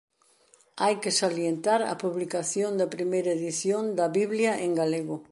Hai que salientar a publicación da primeira edición da Biblia en galego.